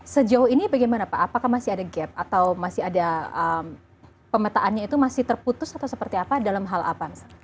sejauh ini bagaimana pak apakah masih ada gap atau masih ada pemetaannya itu masih terputus atau seperti apa dalam hal apa